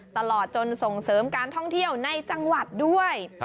ตลอดจนส่งเสริมการท่องเที่ยวในจังหวัดด้วย